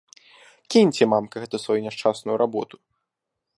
Кіньце, мамка, гэту сваю няшчасную работу!